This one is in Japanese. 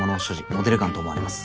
モデルガンと思われます。